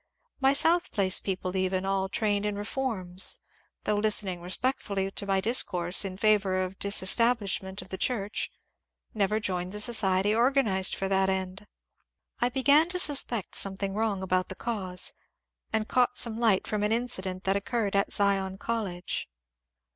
My South Place people even, all trained in reforms, though listening respect fully to my discourse in favour of disestablishment of the church, never joined the society organized for that end. I began to suspect something wrong about the cause, and caught some light from an incident that occurred at Zion College.